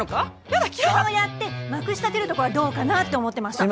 やだ嫌いだっそうやってまくしたてるとこはどうかなって思ってました